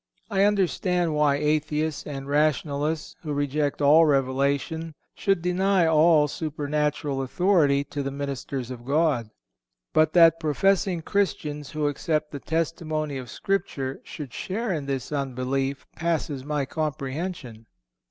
I understand why atheists and rationalists, who reject all revelation, should deny all supernatural authority to the ministers of God. But that professing Christians who accept the testimony of Scripture should share in this unbelief passes my comprehension.